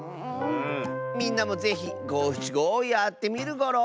みんなもぜひごしちごをやってみるゴロ！